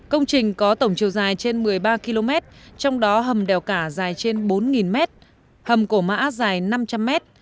công trình có tổng chiều dài trên một mươi ba km trong đó hầm đèo cả dài trên bốn mét hầm cổ mã dài năm trăm linh mét